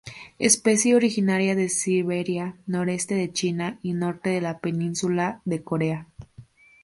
Especie originaria de Siberia, noreste de China y norte de la península de Corea.